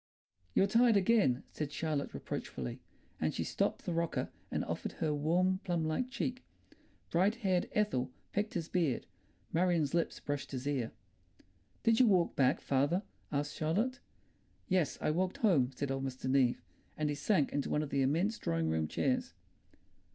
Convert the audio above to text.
"You're tired again," said Charlotte reproachfully, and she stopped the rocker and offered her warm plum like cheek. Bright haired Ethel pecked his beard, Marion's lips brushed his ear. "Did you walk back, father?" asked Charlotte. "Yes, I walked home," said old Mr. Neave, and he sank into one of the immense drawing room chairs.